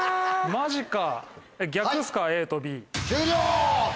マジか。